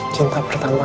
cinta pertama aku mama